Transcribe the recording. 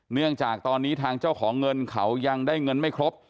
เนื่องจากตอนนี้ทางเจ้าของเงินเขายังได้เงินไม่ครบ